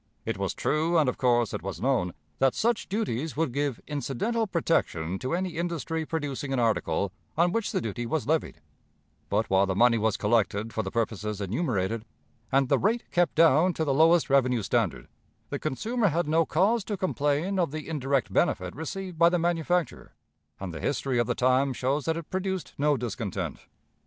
It was true, and of course it was known, that such duties would give incidental protection to any industry producing an article on which the duty was levied; but, while the money was collected for the purposes enumerated, and the rate kept down to the lowest revenue standard, the consumer had no cause to complain of the indirect benefit received by the manufacturer, and the history of the time shows that it produced no discontent.